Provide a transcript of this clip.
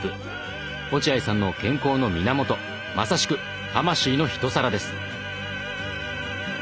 落合さんの健康の源まさしく魂の１皿です。